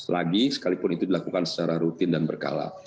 sekali lagi sekalipun itu dilakukan secara rutin dan berkala